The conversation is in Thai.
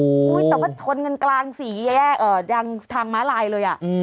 โอ้ยแต่ว่าชนเงินกลางสี่แยกเอ่อยังทางม้าลายเลยอ่ะอืม